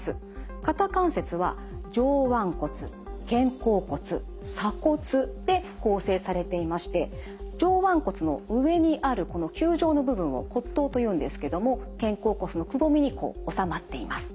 肩関節は上腕骨肩甲骨鎖骨で構成されていまして上腕骨の上にあるこの球状の部分を骨頭というんですけども肩甲骨のくぼみにこう収まっています。